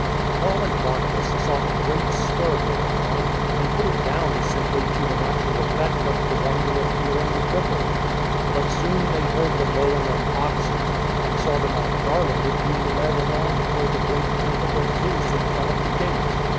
Paul and Barnabas saw a great stir going on, and put it down simply to the natural effect of the wonder of healing the cripple. But soon they heard the lowing of oxen; and saw them all garlanded being led along toward the great Temple of Zeus in front of the gate.